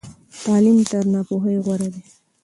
تعلیم تر ناپوهۍ غوره دی.